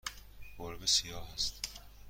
گربه سیاه است.